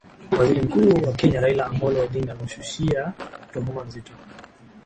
waziri mkuu wa kenya raila amollo odinga amemushushia tohma nzito